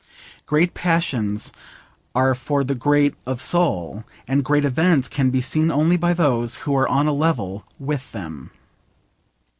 Great passions are for the great of soul, and great events can be seen only by those who are on a level with them.